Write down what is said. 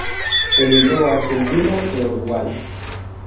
Emigrou á Arxentina e a Uruguai.